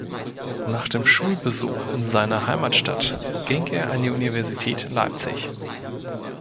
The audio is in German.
Nach dem Schulbesuch in seiner Heimatstadt ging er an die Universität Leipzig.